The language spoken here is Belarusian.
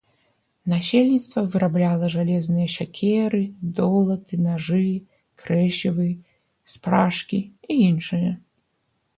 Насельніцтва вырабляла жалезныя сякеры, долаты, нажы, крэсівы, спражкі і іншае.